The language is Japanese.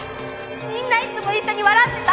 みんないつも一緒に笑ってた。